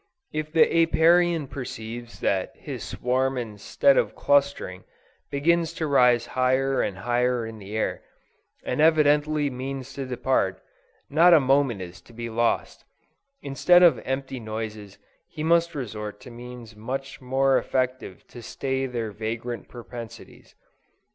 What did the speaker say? If the Apiarian perceives that his swarm instead of clustering begins to rise higher and higher in the air, and evidently means to depart, not a moment is to be lost: instead of empty noises, he must resort to means much more effective to stay their vagrant propensities.